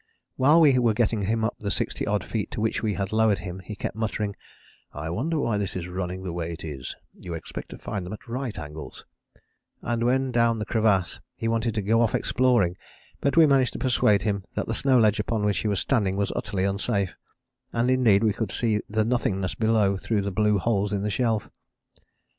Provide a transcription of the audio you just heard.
While we were getting him up the sixty odd feet to which we had lowered him he kept muttering: "I wonder why this is running the way it is you expect to find them at right angles," and when down the crevasse he wanted to go off exploring, but we managed to persuade him that the snow ledge upon which he was standing was utterly unsafe, and indeed we could see the nothingness below through the blue holes in the shelf.